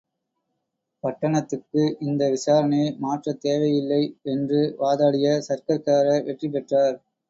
பட்டணத்துக்கு இந்த விசாரணையை மாற்றத் தேவையில்லை என்று வாதாடிய சர்க்கஸ்காரர் வெற்றி பெற்றார்.